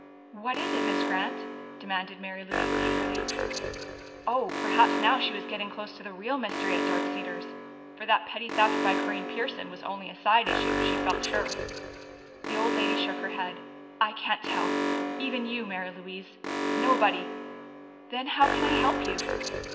"What is it, Miss Grant?" demanded Mary Louise eagerly. Oh, perhaps now she was getting close to the real mystery at Dark Cedars! For that petty theft by Corinne Pearson was only a side issue, she felt sure. The old lady shook her head. "I can't tell even you, Mary Louise! Nobody!" "Then how can I help you?"